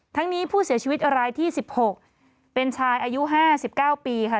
ทั้งนี้ผู้เสียชีวิตรายที่๑๖เป็นชายอายุ๕๙ปีค่ะ